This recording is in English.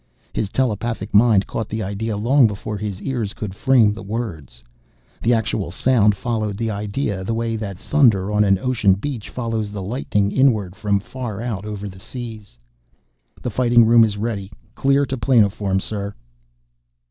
His telepathic mind caught the idea long before his ears could frame the words. The actual sound followed the idea the way that thunder on an ocean beach follows the lightning inward from far out over the seas. "The Fighting Room is ready. Clear to planoform, sir."